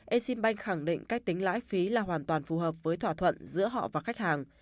exim bank khẳng định cách tính lãi phí là hoàn toàn phù hợp với thỏa thuận giữa họ và khách hàng